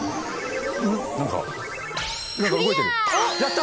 何か何か動いてる。